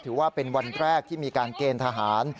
ถือว่าเป็นวันแรกที่มีการเกณฑ์ทหาร